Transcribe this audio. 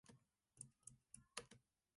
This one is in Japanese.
埼玉県三芳町